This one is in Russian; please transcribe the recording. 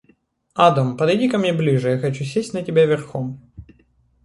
Адам, подойди ко мне ближе, я хочу сесть на тебя верхом.